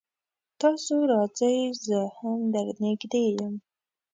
تاسو راځئ زه هم در نږدې يم